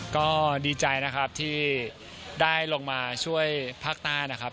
ก็ดีใจนะครับที่ได้ลงมาช่วยภาคใต้นะครับ